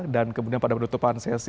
dan kemudian pada penutupan sesi